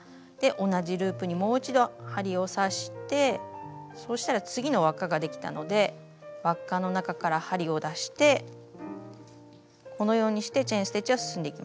同じループにもう一度針を刺してそうしたら次の輪っかができたので輪っかの中から針を出してこのようにしてチェーン・ステッチは進んでいきます。